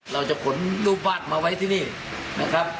เราจะขนรูปวาดมาไว้ที่นี่นะครับ